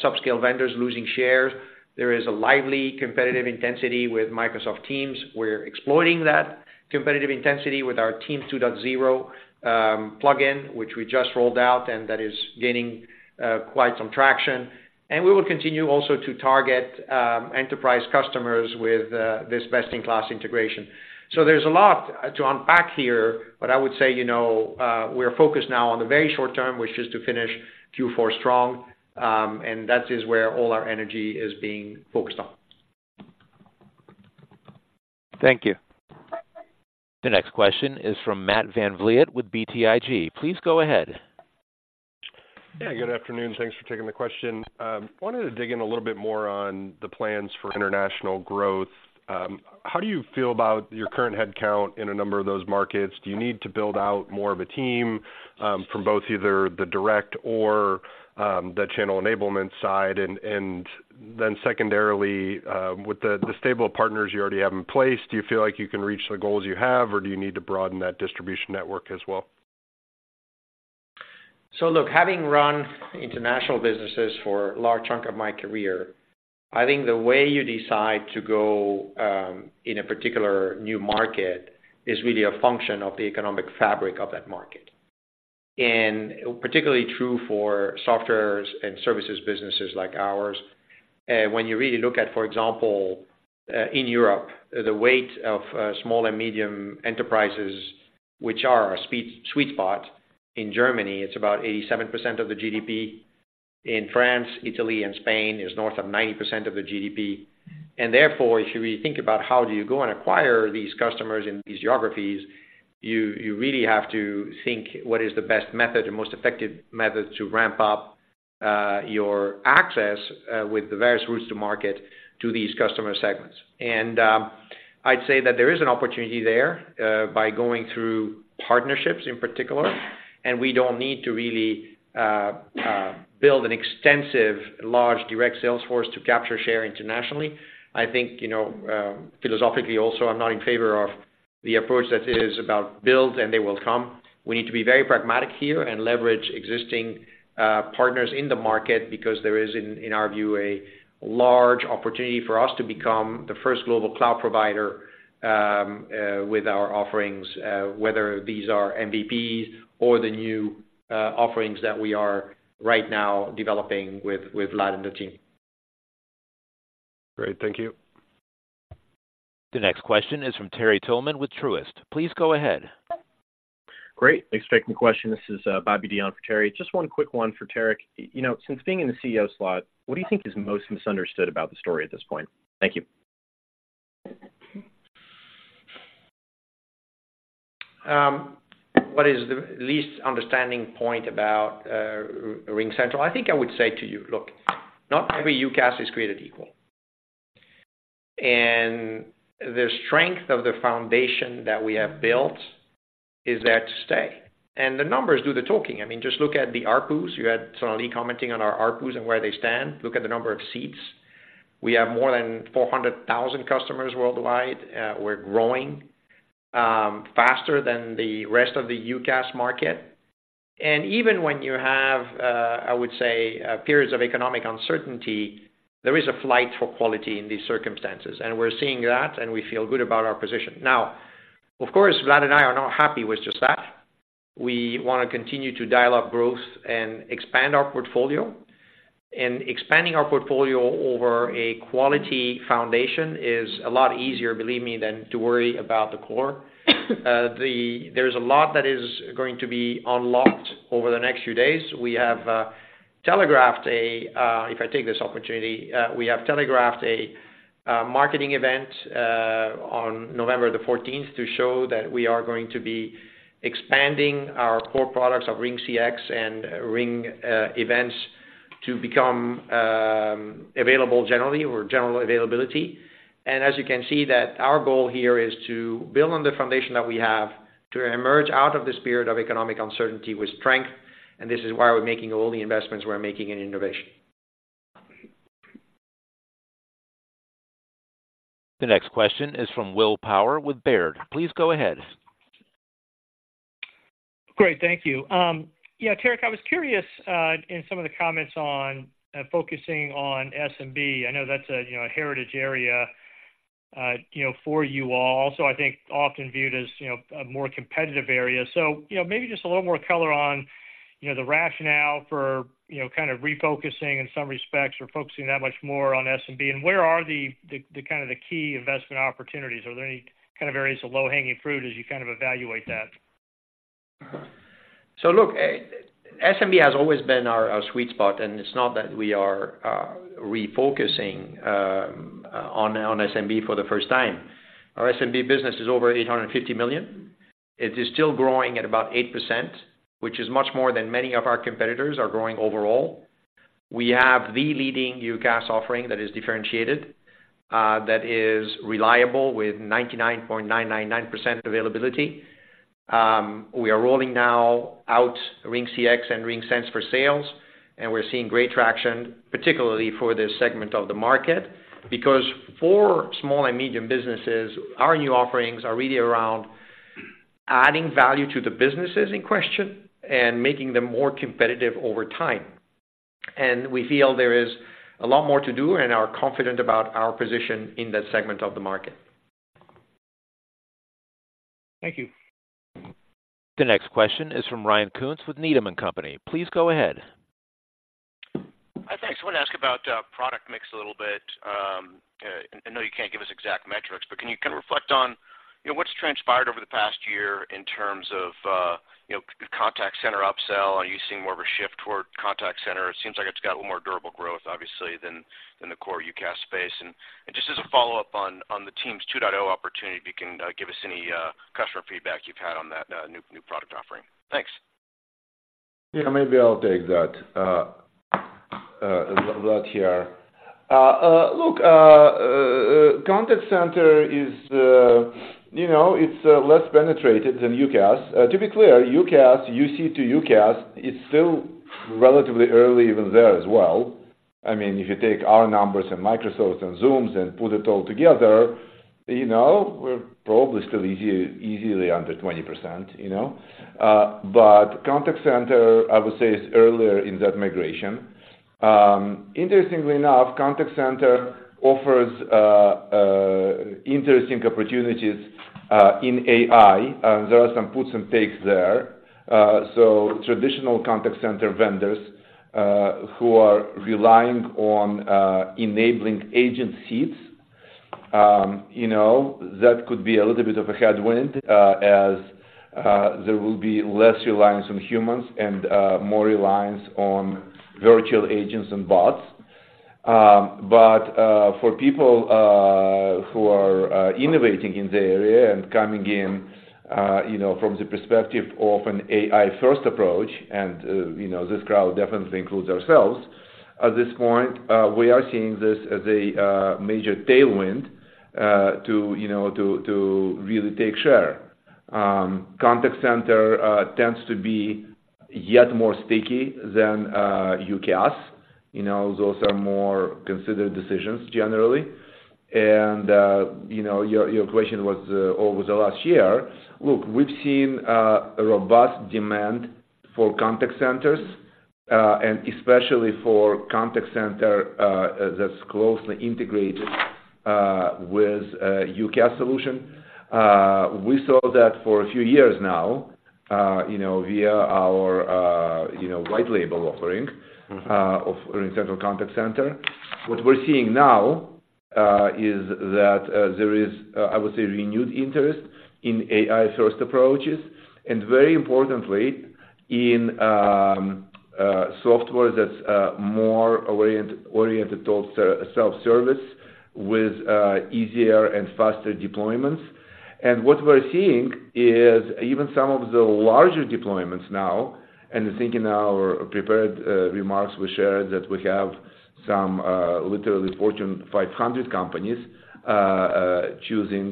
subscale vendors losing shares. There is a lively competitive intensity with Microsoft Teams. We're exploiting that competitive intensity with our Teams 2.0 plugin, which we just rolled out, and that is gaining quite some traction. We will continue also to target enterprise customers with this best-in-class integration. So there's a lot to unpack here, but I would say, you know, we're focused now on the very short term, which is to finish Q4 strong, and that is where all our energy is being focused on. Thank you. The next question is from Matt VanVliet with BTIG. Please go ahead. Yeah, good afternoon. Thanks for taking the question. Wanted to dig in a little bit more on the plans for international growth. How do you feel about your current headcount in a number of those markets? Do you need to build out more of a team, from both either the direct or the channel enablement side? And then secondarily, with the stable of partners you already have in place, do you feel like you can reach the goals you have, or do you need to broaden that distribution network as well? So look, having run international businesses for a large chunk of my career, I think the way you decide to go in a particular new market is really a function of the economic fabric of that market. Particularly true for softwares and services businesses like ours. When you really look at, for example, in Europe, the weight of small and medium enterprises, which are our sweet spot, in Germany, it's about 87% of the GDP. In France, Italy, and Spain, it's north of 90% of the GDP. Therefore, if you really think about how do you go and acquire these customers in these geographies, you really have to think what is the best method, the most effective method to ramp up your access with the various routes to market to these customer segments. And, I'd say that there is an opportunity there, by going through partnerships in particular, and we don't need to really build an extensive, large direct sales force to capture share internationally. I think, you know, philosophically also, I'm not in favor of the approach that is about build and they will come. We need to be very pragmatic here and leverage existing partners in the market because there is, in our view, a large opportunity for us to become the first global cloud provider, with our offerings, whether these are MVPs or the new offerings that we are right now developing with Vlad and the team. Great, thank you. The next question is from Terry Tillman with Truist. Please go ahead. Great. Thanks for taking the question. This is, Bobby Dion for Terry. Just one quick one for Tarek. You know, since being in the CEO slot, what do you think is most misunderstood about the story at this point? Thank you. What is the least understanding point about RingCentral? I think I would say to you, look, not every UCaaS is created equal. And the strength of the foundation that we have built is there to stay, and the numbers do the talking. I mean, just look at the ARPU's. You had Sonali commenting on our ARPU's and where they stand. Look at the number of seats. We have more than 400,000 customers worldwide. We're growing faster than the rest of the UCaaS market. And even when you have, I would say, periods of economic uncertainty, there is a flight for quality in these circumstances, and we're seeing that, and we feel good about our position. Now, of course, Vlad and I are not happy with just that. We want to continue to dial up growth and expand our portfolio. Expanding our portfolio over a quality foundation is a lot easier, believe me, than to worry about the core. There's a lot that is going to be unlocked over the next few days. We have telegraphed a, if I take this opportunity, we have telegraphed a, marketing event, on November 14, to show that we are going to be expanding our core products of RingCX and Ring Events, to become available generally or general availability. And as you can see, that our goal here is to build on the foundation that we have to emerge out of this period of economic uncertainty with strength, and this is why we're making all the investments we're making in innovation. The next question is from Will Power with Baird. Please go ahead. Great, thank you. Yeah, Tarek, I was curious, in some of the comments on, focusing on SMB. I know that's a, you know, a heritage area, you know, for you all. Also, I think often viewed as, you know, a more competitive area. So, you know, maybe just a little more color on you know, the rationale for, you know, kind of refocusing in some respects or focusing that much more on SMB, and where are the, the kind of the key investment opportunities? Are there any kind of areas of low-hanging fruit as you kind of evaluate that? So look, SMB has always been our, our sweet spot, and it's not that we are refocusing on, on SMB for the first time. Our SMB business is over $850 million. It is still growing at about 8%, which is much more than many of our competitors are growing overall. We have the leading UCaaS offering that is differentiated, that is reliable with 99.999% availability. We are rolling now out RingCX and RingSense for Sales, and we're seeing great traction, particularly for this segment of the market. Because for small and medium businesses, our new offerings are really around adding value to the businesses in question and making them more competitive over time. And we feel there is a lot more to do and are confident about our position in that segment of the market. Thank you. The next question is from Ryan Koontz with Needham & Company. Please go ahead. Hi, thanks. I want to ask about product mix a little bit. I know you can't give us exact metrics, but can you kind of reflect on, you know, what's transpired over the past year in terms of, you know, contact center upsell? Are you seeing more of a shift toward contact center? It seems like it's got a little more durable growth, obviously, than the core UCaaS space. And just as a follow-up on the Teams 2.0 opportunity, if you can give us any customer feedback you've had on that new product offering. Thanks. Yeah, maybe I'll take that, Vlad here. Look, contact center is, you know, it's less penetrated than UCaaS. To be clear, UCaaS, UC to UCaaS, it's still relatively early even there as well. I mean, if you take our numbers and Microsoft and Zoom's and put it all together, you know, we're probably still easily under 20%, you know. But contact center, I would say, is earlier in that migration. Interestingly enough, contact center offers interesting opportunities in AI. There are some puts and takes there. So traditional contact center vendors who are relying on enabling agent seats, you know, that could be a little bit of a headwind, as there will be less reliance on humans and more reliance on virtual agents and bots. But, for people who are innovating in the area and coming in, you know, from the perspective of an AI-first approach, and, you know, this crowd definitely includes ourselves, at this point, we are seeing this as a major tailwind, to, you know, to really take share. Contact center tends to be yet more sticky than UCaaS. You know, those are more considered decisions generally. And, you know, your question was over the last year. Look, we've seen a robust demand for contact centers, and especially for contact center that's closely integrated with UCaaS solution. We saw that for a few years now, you know, via our white label offering- Mm-hmm. of RingCentral Contact Center. What we're seeing now is that there is I would say renewed interest in AI-first approaches, and very importantly, in software that's more oriented towards self-service with easier and faster deployments. And what we're seeing is even some of the larger deployments now, and I think in our prepared remarks, we shared that we have some literally Fortune 500 companies choosing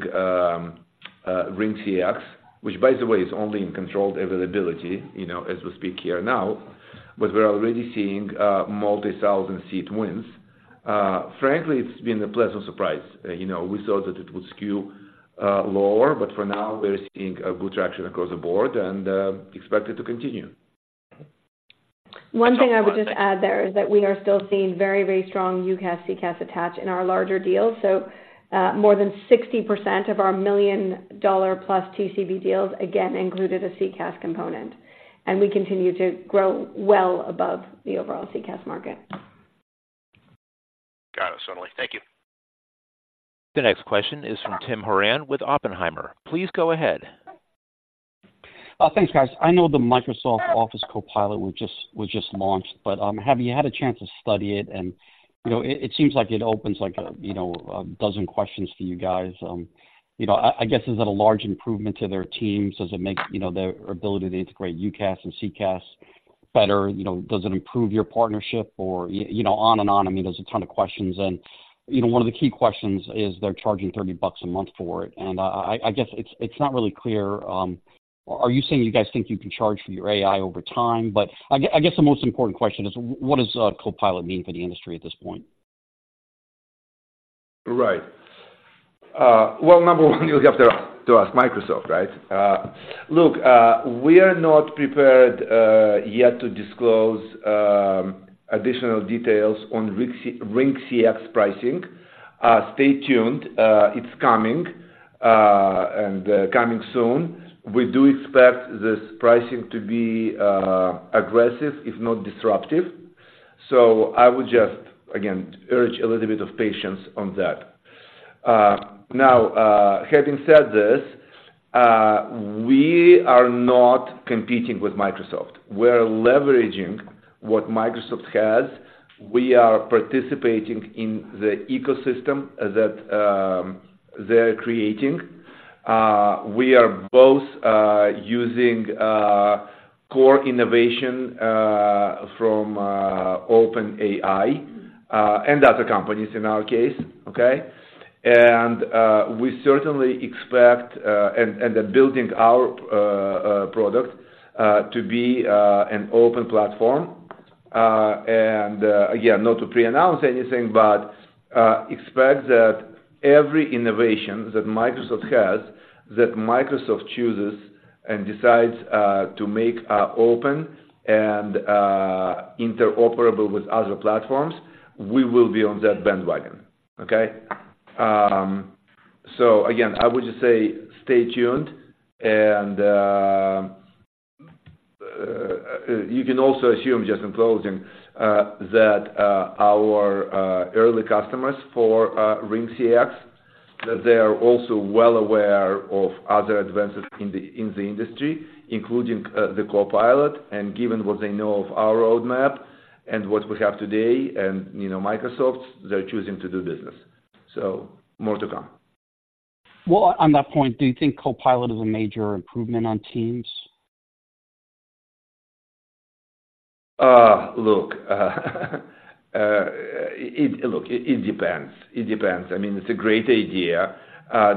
RingCX, which, by the way, is only in controlled availability, you know, as we speak here now, but we're already seeing multi-thousand seat wins. Frankly, it's been a pleasant surprise. You know, we thought that it would skew lower, but for now, we're seeing good traction across the board and expect it to continue. One thing I would just add there is that we are still seeing very, very strong UCaaS, CCaaS attach in our larger deals. So, more than 60% of our $1 million-plus TCV deals, again, included a CCaaS component, and we continue to grow well above the overall CCaaS market. Got it, certainly. Thank you. The next question is from Tim Horan with Oppenheimer. Please go ahead. Thanks, guys. I know the Microsoft Office Copilot was just launched, but have you had a chance to study it? And, you know, it seems like it opens like a, you know, a dozen questions to you guys. You know, I guess, is it a large improvement to their teams? Does it make, you know, their ability to integrate UCaaS and CCaaS better? You know, does it improve your partnership or... You know, on and on. I mean, there's a ton of questions. And, you know, one of the key questions is they're charging $30 a month for it, and I guess it's not really clear. Are you saying you guys think you can charge for your AI over time? I guess the most important question is: What does Copilot mean for the industry at this point? Right. Well, number one, you'll have to ask Microsoft, right? Look, we are not prepared yet to disclose additional details on RingCX pricing. Stay tuned, it's coming... and coming soon. We do expect this pricing to be aggressive, if not disruptive. So I would just, again, urge a little bit of patience on that. Now, having said this, we are not competing with Microsoft. We're leveraging what Microsoft has. We are participating in the ecosystem that they're creating. We are both using core innovation from OpenAI and other companies in our case, okay? And we certainly expect, and they're building our product to be an open platform. And, again, not to pre-announce anything, but expect that every innovation that Microsoft has, that Microsoft chooses and decides to make open and interoperable with other platforms, we will be on that bandwagon. Okay? So again, I would just say stay tuned, and you can also assume, just in closing, that our early customers for RingCX, that they are also well aware of other advances in the industry, including the Copilot. And given what they know of our roadmap and what we have today and, you know, Microsoft, they're choosing to do business. So more to come. Well, on that point, do you think Copilot is a major improvement on Teams? Look, it depends. It depends. I mean, it's a great idea.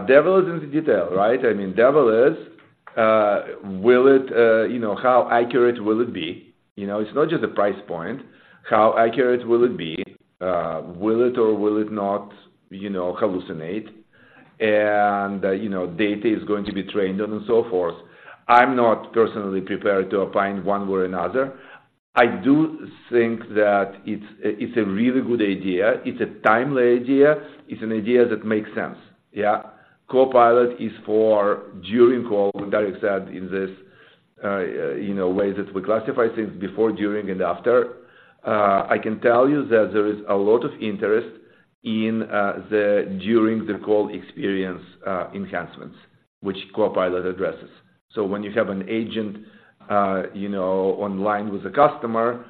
Devil is in the detail, right? I mean, devil is, will it, you know... How accurate will it be? You know, it's not just the price point. How accurate will it be? Will it or will it not, you know, hallucinate? And, you know, data is going to be trained on and so forth. I'm not personally prepared to opine one way or another. I do think that it's a really good idea. It's a timely idea. It's an idea that makes sense. Yeah. Copilot is for during call, Tarek said, in this, you know, way that we classify things before, during, and after. I can tell you that there is a lot of interest in the during the call experience enhancements, which Copilot addresses. So when you have an agent, you know, online with a customer,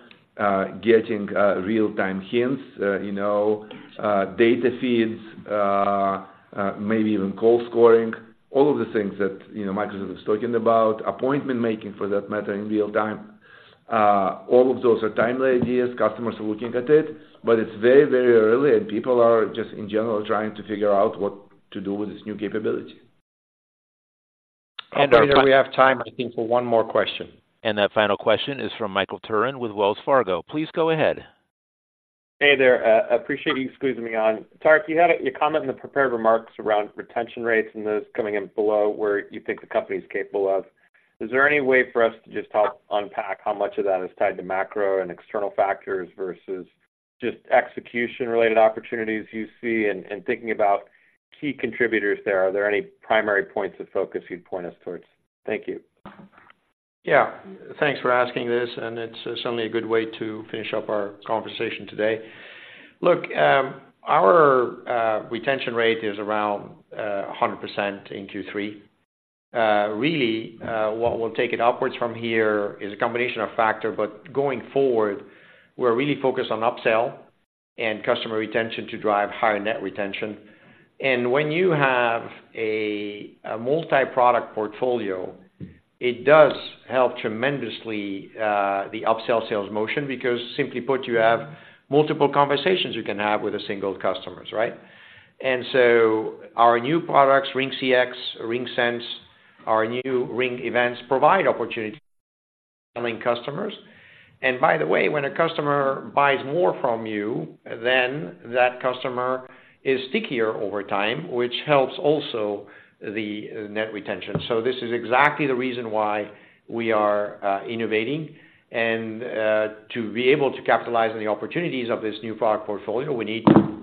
getting real-time hints, you know, data feeds, maybe even call scoring, all of the things that, you know, Microsoft is talking about, appointment making, for that matter, in real time. All of those are timely ideas. Customers are looking at it, but it's very early, and people are just, in general, trying to figure out what to do with this new capability. Operator, we have time, I think, for one more question. That final question is from Michael Turrin with Wells Fargo. Please go ahead. Hey there. Appreciate you squeezing me on. Tarek, you had a comment in the prepared remarks around retention rates and those coming in below where you think the company is capable of. Is there any way for us to just help unpack how much of that is tied to macro and external factors versus just execution-related opportunities you see? And thinking about key contributors there, are there any primary points of focus you'd point us towards? Thank you. Yeah. Thanks for asking this, and it's certainly a good way to finish up our conversation today. Look, our retention rate is around one hundred percent in Q3. Really, what will take it upwards from here is a combination of factor, but going forward, we're really focused on upsell and customer retention to drive higher net retention. And when you have a multi-product portfolio, it does help tremendously the upsell sales motion, because simply put, you have multiple conversations you can have with a single customers, right? And so our new products, RingCX, RingSense, our new Ring Events, provide opportunities customers. And by the way, when a customer buys more from you, then that customer is stickier over time, which helps also the net retention. So this is exactly the reason why we are innovating. And, to be able to capitalize on the opportunities of this new product portfolio, we need to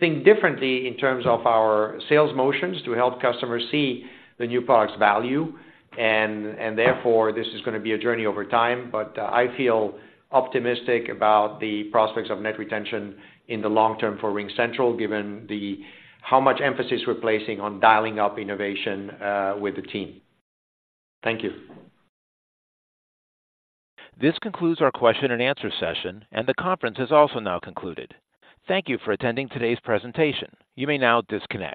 think differently in terms of our sales motions to help customers see the new product's value. And, therefore, this is gonna be a journey over time, but I feel optimistic about the prospects of net retention in the long term for RingCentral, given how much emphasis we're placing on dialing up innovation with the team. Thank you. This concludes our question and answer session, and the conference has also now concluded. Thank you for attending today's presentation. You may now disconnect.